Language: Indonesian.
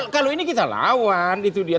kalau ini kita lawan itu dia